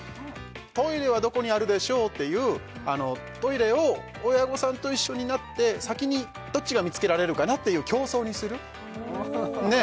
「トイレはどこにあるでしょう？」っていうトイレを親御さんと一緒になって先にどっちが見つけられるかなっていう競争にするねぇ